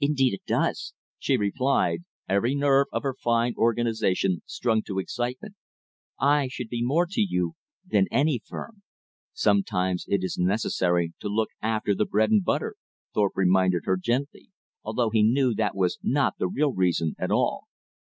"Indeed it does," she replied, every nerve of her fine organization strung to excitement. "I should be more to you than any firm." "Sometimes it is necessary to look after the bread and butter," Thorpe reminded her gently, although he knew that was not the real reason at all.